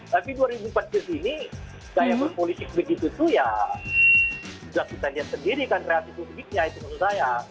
tapi dua ribu empat belas ini gaya berpolitik begitu itu ya sudah kita lihat sendiri kan reaksi publiknya itu menurut saya